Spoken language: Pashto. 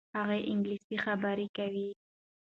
هغه انګلیسي خبرې کوي.